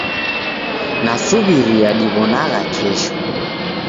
Nasuw'iria diw'onanagha kesho.